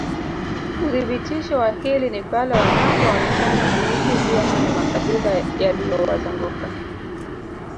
Uthibitisho wa hili ni pale wanapoonekana kuishi vyema na makabila yaliyowazunguka